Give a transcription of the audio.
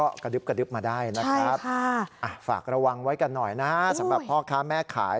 มันก็กระดึบมาได้นะครับฝากระวังไว้กันหน่อยนะครับสำหรับพ่อค้าแม่ขาย